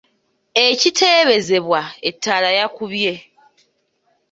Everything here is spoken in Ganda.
Ekiteebeezebwa Ettaala yakubye!